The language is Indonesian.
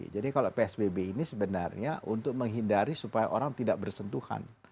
jadi kalau psbb ini sebenarnya untuk menghindari supaya orang tidak bersentuhan